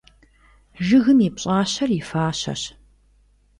Жыгым и пщӀащэр и фащэщ.